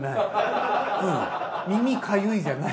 耳痒いじゃない。